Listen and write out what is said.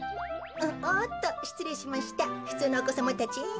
おっとしつれいしましたふつうのおこさまたち。